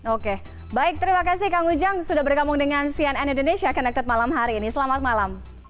oke baik terima kasih kang ujang sudah bergabung dengan cnn indonesia connected malam hari ini selamat malam